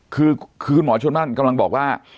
คือคุณหมอชนนั่นกำลังบอกว่า